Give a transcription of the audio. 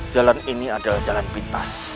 jalan ini adalah jalan pintas